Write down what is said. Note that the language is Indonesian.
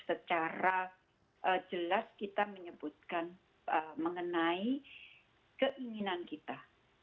secara jelas kita menyebutkan mengenai keinginan kita